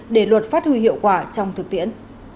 để luật phát huy hiệu quả trong thực tiễn